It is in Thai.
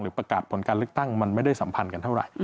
ประกาศผลการเลือกตั้งมันไม่ได้สัมพันธ์กันเท่าไหร่